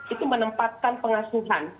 itu menempatkan pengasuhan